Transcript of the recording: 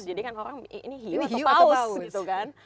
jadi kan orang ini hiu atau paus gitu kan